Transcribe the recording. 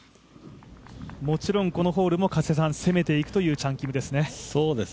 もちろん、このホールも攻めていくというチャン・キムですね。